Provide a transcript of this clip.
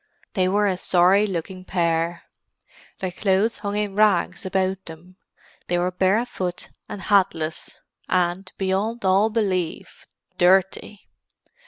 They were a sorry looking pair. Their clothes hung in rags about them; they were barefoot and hatless, and, beyond all belief, dirty.